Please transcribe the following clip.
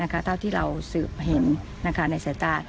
ก็เท่าที่เราสืบเห็นในส่วนติดไป